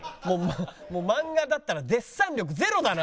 もう漫画だったらデッサン力ゼロだな今日。